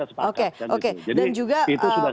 sepakat jadi itu sudah